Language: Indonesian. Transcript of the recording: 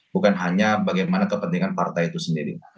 bukan hanya bagaimana kepentingan partai itu sendiri